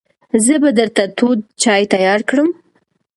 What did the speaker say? زه به درته تود چای تیار کړم.